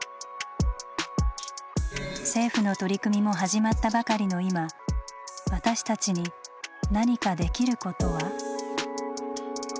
政府の取り組みも始まったばかりの今私たちに何かできることは？